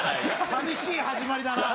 ・寂しい始まりだな・